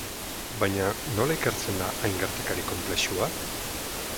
Baina nola ikertzen da hain gertakari konplexua?